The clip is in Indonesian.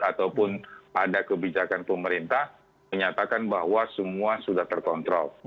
ataupun ada kebijakan pemerintah menyatakan bahwa semua sudah terkontrol